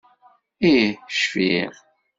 Ih, cfiɣ.